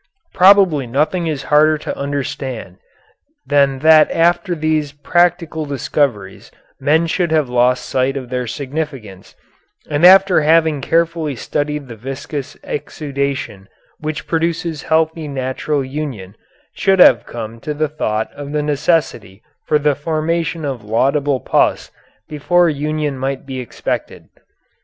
Probably nothing is harder to understand than that after these practical discoveries men should have lost sight of their significance, and after having carefully studied the viscous exudation which produces healthy natural union, should have come to the thought of the necessity for the formation of laudable pus before union might be expected.